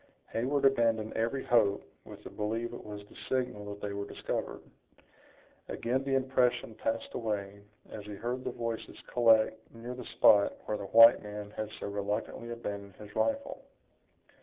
Heyward abandoned every hope, with the belief it was the signal that they were discovered. Again the impression passed away, as he heard the voices collect near the spot where the white man had so reluctantly abandoned his rifle.